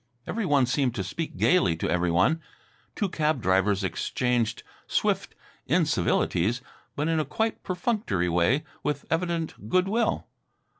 Every one seemed to speak gayly to every one. Two cab drivers exchanged swift incivilities, but in a quite perfunctory way, with evident good will.